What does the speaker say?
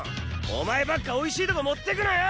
お前ばっかおいしいとこ持ってくなよ！